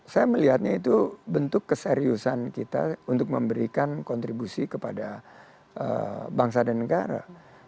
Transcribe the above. saya melihatnya itu bentuk keseriusan kita untuk memberikan kontribusi kepada bangsa dan negara